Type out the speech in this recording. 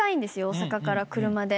大阪から車で。